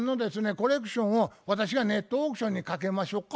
コレクションを私がネットオークションにかけましょか？」